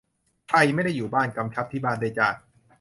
ใครไม่ได้อยู่บ้าน กำชับที่บ้านด้วยจ้า